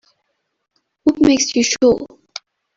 What makes you sure?